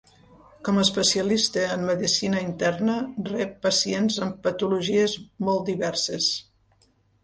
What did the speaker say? Com a especialista en medicina interna, rep pacients amb patologies molt diverses.